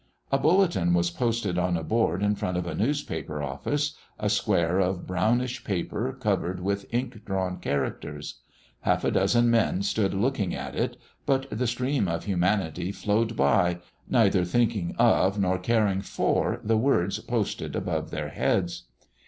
A bulletin was posted on a board in front of a newspaper office a square of brownish paper covered with ink drawn characters. Half a dozen men stood looking at it, but the stream of humanity flowed by, neither thinking of nor caring for the words posted above their heads.